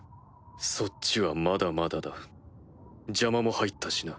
そっちはまだまだだ邪魔も入ったしな。